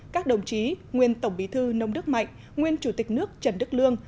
các đồng chí nguyên tổng bí thư nông đức mạnh nguyên chủ tịch nước trần đức lương